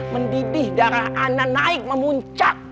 mendidih darah anna naik memuncak